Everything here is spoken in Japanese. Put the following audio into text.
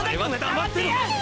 黙ってや！